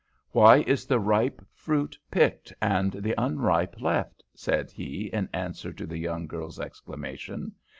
"Why is the ripe fruit picked, and the unripe left?" said he in answer to the young girl's exclamation.